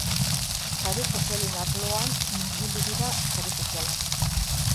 Sare sozialen alorrean murgildu dira sare sozialak.